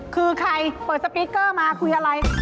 คือใครเปิดสปีกเกอร์มาคุยอะไร